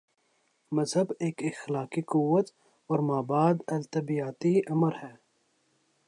مذہب ایک اخلاقی قوت اور مابعد الطبیعیاتی امر ہے۔